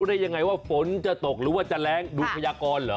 ได้ยังไงว่าฝนจะตกหรือว่าจะแรงดูพยากรเหรอ